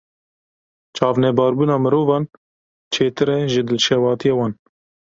Çavnebarbûna mirovan, çêtir e ji dilşewatiya wan.